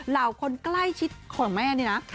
เหล่าคนใกล้ชิดของแม่นี่นะ